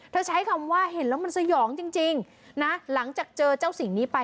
ใช้คำว่าเห็นแล้วมันสยองจริงนะหลังจากเจอเจ้าสิ่งนี้ไป